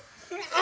あ！